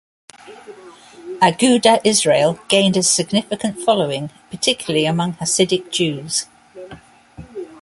Agudath Israel gained a significant following, particularly among Hasidic Jews.